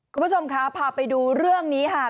คุณผู้ชมคะพาไปดูเรื่องนี้ค่ะ